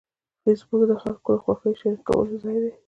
فېسبوک د خلکو د خوښیو شریکولو ځای دی